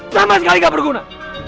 sama sekali gak berguna